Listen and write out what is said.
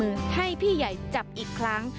ให้พี่ใหญ่จับอีกครั้ง